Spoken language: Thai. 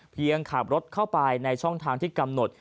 ขับรถเข้าไปในช่องทางที่กำหนด